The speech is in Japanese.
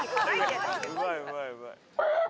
うまいうまいうまい。